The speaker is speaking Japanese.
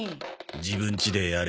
自分ちでやれ。